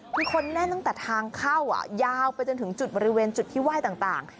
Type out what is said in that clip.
คือคนแน่นตั้งแต่ทางเข้ายาวไปจนถึงจุดบริเวณจุดที่ไหว้ต่าง